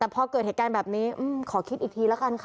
แต่พอเกิดเหตุการณ์แบบนี้ขอคิดอีกทีละกันค่ะ